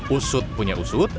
usut punya usut